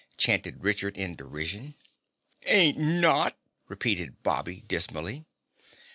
chanted Richard in derision. "Ain't not," repeated Bobby dismally.